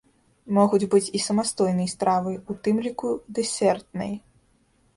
Могуць быць і самастойнай стравай, у тым ліку дэсертнай.